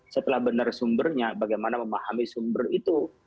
setelah benar sumbernya bagaimana memahami sumber itu